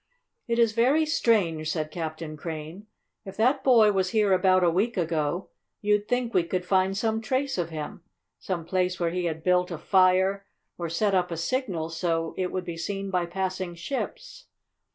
"It is very strange," said Captain Crane. "If that boy was here about a week ago, you'd think we could find some trace of him some place where he had built a fire, or set up a signal so it would be seen by passing ships.